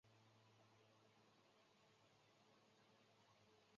其运行的列车又分为直通旅客列车与管内旅客列车。